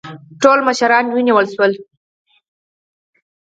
ټول مشران ونیول شول.